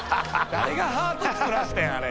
誰がハート作らせてんあれ。